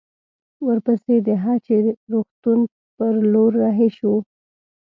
ورپسې د هه چه روغتون پر لور رهي شوو.